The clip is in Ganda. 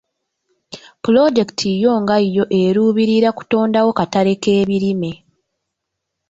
Pulojekiti yo nga yo eruubirira kutondawo katale k'ebirime.